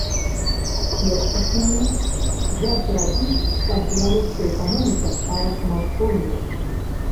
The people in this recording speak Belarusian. Першаснае, як зрабіць, каб беларуская эканоміка стала самастойнай.